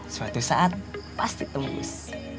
suatu saat pasti tembus